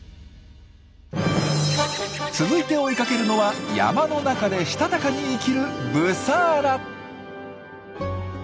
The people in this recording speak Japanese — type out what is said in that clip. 続いて追いかけるのは山の中でしたたかに生きるブサーラ。